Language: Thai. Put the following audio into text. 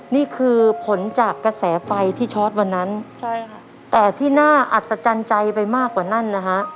นี่คือผลจากกระแสไฟที่ชอตวันนั้นใช่ค่ะแต่ที่น่าอัศจรรย์ใจไปมากกว่านั้นนะฮะ